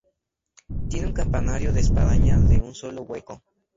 Tiene un campanario de espadaña de un solo hueco.